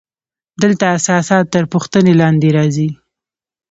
دلته اساسات تر پوښتنې لاندې راځي.